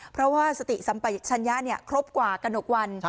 เพราะว่าสติสัมปัชญะครบกว่ากระหนกวัน